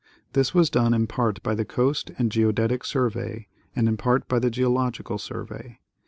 This was done in part by the Coast and Geodetic Survey and in part by the Geological Survey.